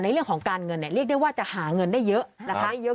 เรื่องของการเงินเนี่ยเรียกได้ว่าจะหาเงินได้เยอะนะคะ